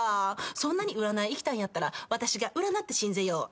そんなに占い行きたいんやったら私が占ってしんぜよう。